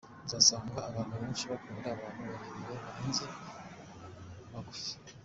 Uzasanga abantu benshi bakunda abantu barebare kurenza abagufi.